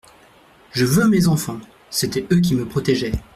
Je veux mes enfants ! …C'étaient eux qui me protégeaient.